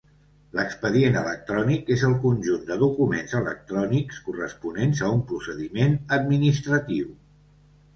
L’expedient electrònic és el conjunt de documents electrònics corresponents a un procediment administratiu.